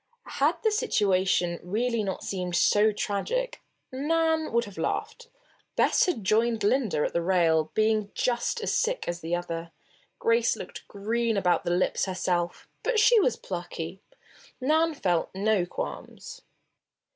Had the situation really not seemed so tragic, Nan would have laughed. Bess had joined Linda at the rail, being just as sick as the other. Grace looked green about the lips, herself; but she was plucky. Nan felt no qualms.